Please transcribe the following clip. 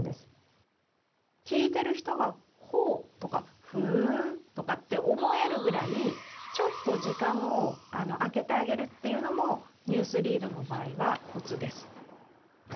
聞いてる人が、ほう、とかふーんとかって思えるぐらいちょっと時間を空けてあげるっていうのもニュースリードの場合はコツです。